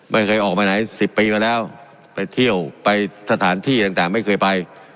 ไม่เคยออกไปไหนสิบปีมาแล้วไปเที่ยวไปสถานที่ต่างไม่เคยไป